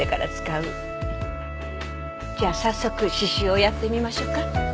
じゃあ早速刺繍をやってみましょか。